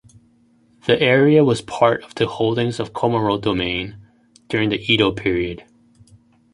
The area was part of the holdings of Komoro Domain during the Edo period.